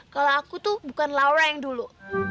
kalau aku tuh bukan laura yang dulu